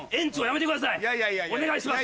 お願いします！